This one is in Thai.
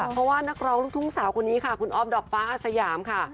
เพราะว่านักร้องลูกทุ่งสาวคนนี้ค่ะคุณอ๊อฟดอกฟ้าอาสยามค่ะ